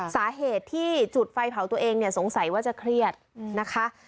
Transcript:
สาเหตุที่จุดไฟเผาตัวเองเนี่ยสงสัยว่าจะเครียดนะคะ